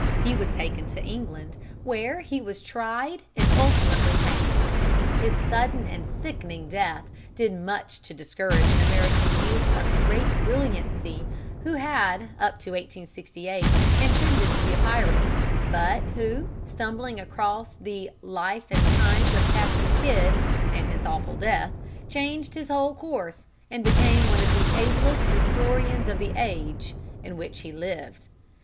He was taken to England, where he was tried and ultimately hanged. His sudden and sickening death did much to discourage an American youth of great brilliancy who had up to 1868 intended to be a pirate, but who, stumbling across the "Life and Times of Captain Kidd, and his Awful Death," changed his whole course and became one of the ablest historians of the age in which he lived. [Illustration: CAPTAIN KIDD ARRESTED.